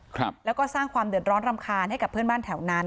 ครับแล้วก็สร้างความเดือดร้อนรำคาญให้กับเพื่อนบ้านแถวนั้น